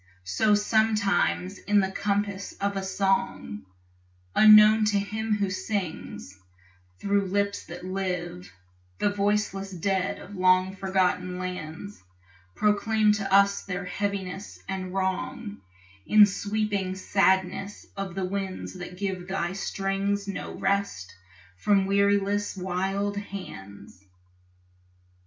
So sometimes in the compass of a song, Unknown to him who sings, thro' lips that live, The voiceless dead of long forgotten lands Proclaim to us their heaviness and wrong In sweeping sadness of the winds that give Thy strings no rest from weariless wild hands.